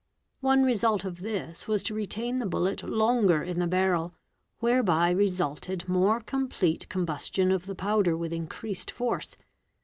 One result of this was to retain — the bullet longer in the barrel, whereby resulted more complete combus — tion of the powder with increased force.